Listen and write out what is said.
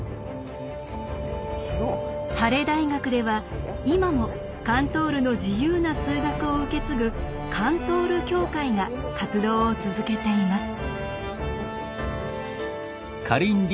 ハレ大学では今もカントールの自由な数学を受け継ぐ「カントール協会」が活動を続けています。